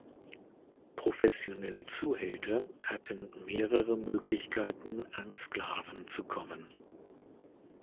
Professionelle Zuhälter hatten mehrere Möglichkeiten, an Sklaven zu kommen.